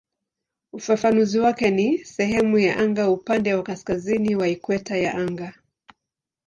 Ufafanuzi wake ni "sehemu ya anga upande wa kaskazini wa ikweta ya anga".